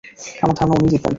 আমার ধারণা, উনিই জিতবেন।